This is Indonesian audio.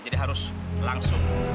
jadi harus langsung